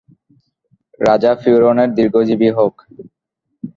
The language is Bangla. রাজা ফিওরনের দীর্ঘজীবী হউক!